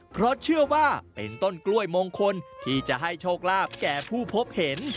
เพราะเชื่อว่าเป็นต้นกล้วยมงคลที่จะให้โชคลาภแก่ผู้พบเห็น